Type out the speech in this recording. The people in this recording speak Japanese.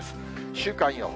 週間予報。